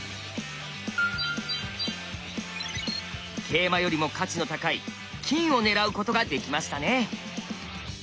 桂馬よりも価値の高い金を狙うことができましたね。